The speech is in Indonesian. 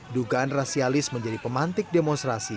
dugaan rasialis menjadi pemantik demonstrasi